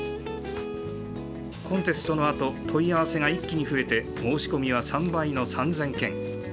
コンテストのあと、問い合わせが一気に増えて、申し込みは３倍の３０００件。